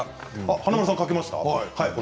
華丸さん書けましたか。